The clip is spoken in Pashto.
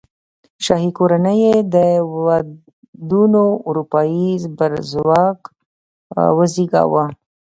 شاهي کورنۍ کې ودونو اروپايي زبرځواک وزېږاوه.